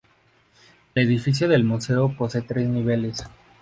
El edificio del museo posee tres niveles.